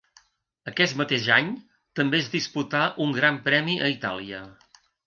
Aquest mateix any també es disputà un Gran Premi a Itàlia.